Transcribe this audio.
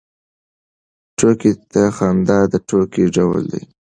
ټوکې ته خندا د ټوکې ډول دی.